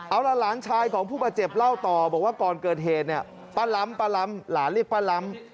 เอาล่ะหลานชายของผู้บาดเจ็บเล่าต่อบอกว่าก่อนเกิดเหตุเนี่ยป้าล้ำป้าล้ำหลานเรียกป้าล้ำ